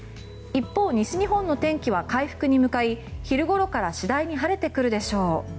一方、西日本の天気は回復に向かい昼頃から次第に晴れてくるでしょう。